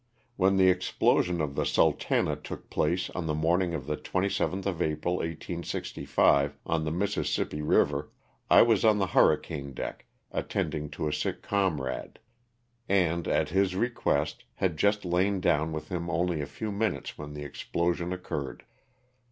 When the explosion of the " Sultana '' took place on the morning of the 27th of April, 1865, on the Mississippi river, I was on the hurricane deck attending to a sick comrade, and, at his request, had just lain down with him only a few minutes when the explosion occurred.